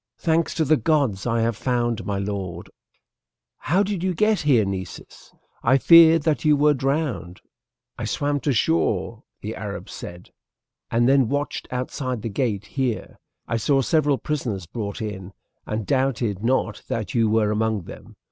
"Thanks to the gods, I have found my lord." "How did you get here, Nessus? I feared that you were drowned." "I swam to shore," the Arab said, "and then watched outside the gate here. I saw several prisoners brought in, and doubted not that you were among them.